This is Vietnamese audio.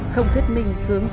không thiết minh hướng dẫn